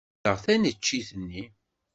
Ḥemmleɣ taneččit-nni.